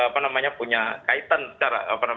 punya kaitan secara